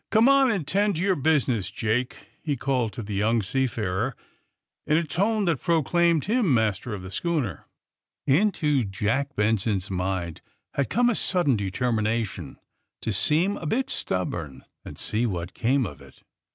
Come on and 'tend to your business, Jake, '' he called to the young seafarer, in a tone that proclaimed him master of the schooner. Into Jack Benson's mind had come a sudden determination to seem a bit stubborn and see AND THE SMUGGLERS 41 what came of it.